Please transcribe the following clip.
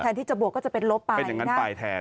ที่จะบวกก็จะเป็นลบไปเป็นอย่างนั้นไปแทน